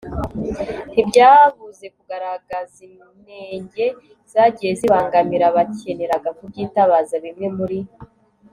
ntibyabuze kugaragaza inenge zagiye zibangamira abakeneraga kubyitabaza. bimwe muri